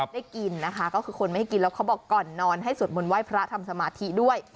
ได้กินนะคะก็คือคนไม่ให้กินแล้วเขาบอกก่อนนอนให้สวดมนต์ไห้พระทำสมาธิด้วย